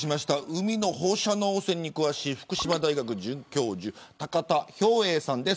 海の放射能汚染に詳しい福島大学准教授高田兵衛さんです。